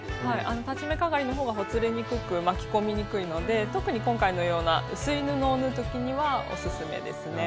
裁ち目かがりの方がほつれにくく巻き込みにくいので特に今回のような薄い布を縫う時にはオススメですね。